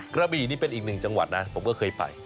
กระบี่นี่เป็นอีกหนึ่งจังหวัดนะผมก็เคยไป